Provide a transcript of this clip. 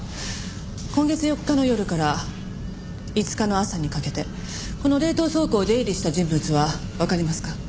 今月４日の夜から５日の朝にかけてこの冷凍倉庫を出入りした人物はわかりますか？